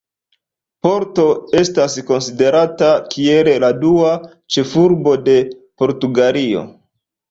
Porto estas konsiderata kiel la dua ĉefurbo de Portugalio.